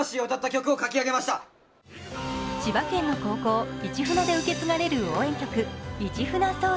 千葉県の高校、市船で受け継がれる応援曲「市船ｓｏｕｌ」